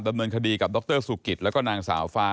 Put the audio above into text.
ดำเนินคดีกับดรสุกิตแล้วก็นางสาวฟ้า